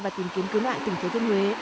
và tìm kiếm cứu nạn tỉnh thế thiên huế